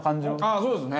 ああそうですね。